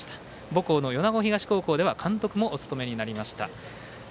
母校の米子東高校では監督もお務めになりました。